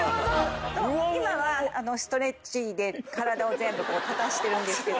今はストレッチで体を全部立たせてるんですけど。